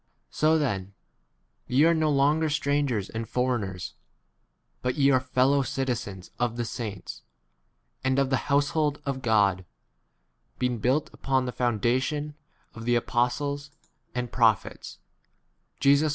So then ye are no longer strangers and foreigners, but ye are 11 fellow citizens of the saints, and of the household of 20 God, being built upon the founda tion of the apostles and prophets, feeble.